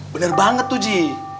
bener banget tuh ji